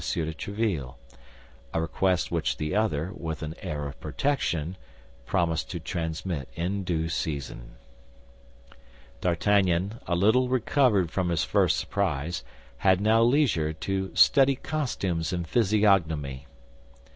de Tréville—a request which the other, with an air of protection, promised to transmit in due season. D'Artagnan, a little recovered from his first surprise, had now leisure to study costumes and physiognomy.